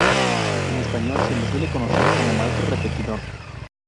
En español se le suele conocer como maestro repetidor.